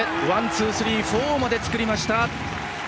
ワン、ツー、スリーフォーまで作りました。